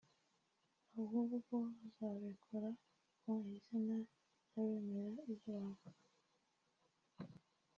ahubwo azabikora mu izina ry’abemera Islam